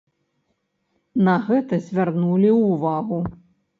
На гэта звярнулі ўвагу.